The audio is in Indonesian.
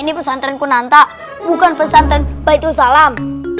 ini pesantren kunanta bukan pesantren baitul salam